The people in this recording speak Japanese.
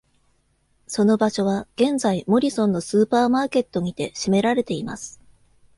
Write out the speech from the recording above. その場所は現在モリソンのスーパーマーケットにて占められています。